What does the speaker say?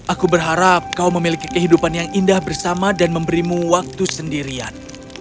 aku berharap kau memiliki kehidupan yang indah bersama dan memberimu waktu sendirian